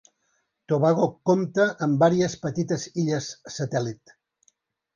Tobago compta amb vàries petites illes satèl·lit.